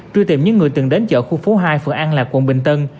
truy tìm những người từng đến chợ khu phố hai phượng an là quận bình tân